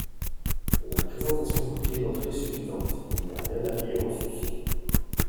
la présentation du billet d'entrée est suffisante, il n'y a rien à payer en sus.